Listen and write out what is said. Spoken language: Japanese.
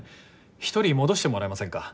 １人戻してもらえませんか？